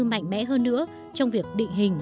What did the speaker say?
mạnh mẽ hơn nữa trong việc định hình